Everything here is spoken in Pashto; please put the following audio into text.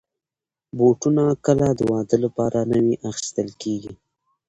بوټونه کله د واده لپاره نوي اخیستل کېږي.